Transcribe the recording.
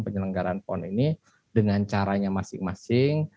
penyelenggaraan pon ini dengan caranya masing masing